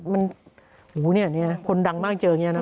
มันผลดังมากเจอกันแหละ